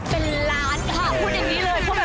เป็นล้านค่ะ